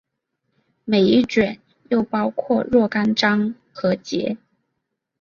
每一卷又包括若干章和节。